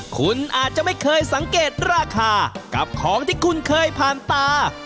คุณอาจจะไม่เคยสังเกตราคากับของที่คุณเคยผ่านตา